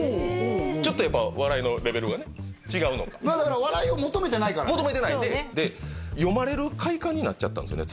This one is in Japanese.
ちょっとやっぱ笑いのレベルがね違うのかまあだから笑いを求めてないから求めてないんで読まれる快感になっちゃったんですよね